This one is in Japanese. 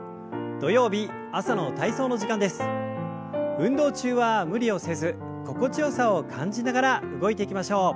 運動中は無理をせず心地よさを感じながら動いていきましょう。